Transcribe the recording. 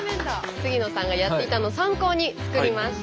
杉野さんがやっていたのを参考に作りました。